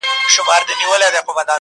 خدای بې اجر راکړي بې ګنا یم ښه پوهېږمه,